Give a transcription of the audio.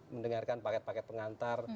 mendengarkan paket paket pengantar